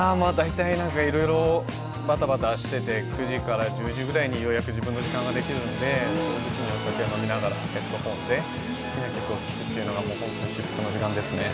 いろいろ、バタバタしてて９時から１０時くらいにようやく自分の時間ができるのでお酒を飲みながらヘッドフォンで聴くというのが本当に至福の時間ですね。